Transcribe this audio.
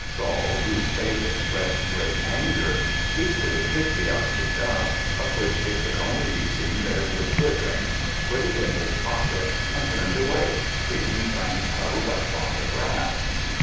Saul, whose face expressed great anger, hastily picked the object up, of which it could only be seen that it was glittering, put it in his pocket, and turned away, leaving Frank huddled up on the grass.